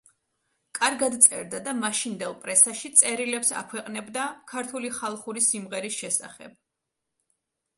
კარგად წერდა და მაშინდელ პრესაში წერილებს აქვეყნებდა ქართული ხალხური სიმღერის შესახებ.